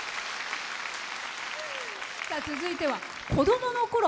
続いては子供のころ